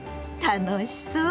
楽しそう。